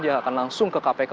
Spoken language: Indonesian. dia akan langsung ke kpk